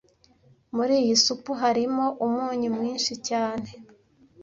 Muri iyi supu harimo umunyu mwinshi cyane